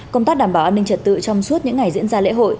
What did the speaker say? công tác đảm bảo an ninh trật tự trong suốt những ngày diễn ra lễ hội